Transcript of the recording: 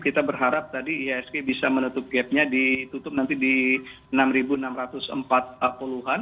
kita berharap tadi ihsg bisa menutup gapnya ditutup nanti di enam enam ratus empat puluh an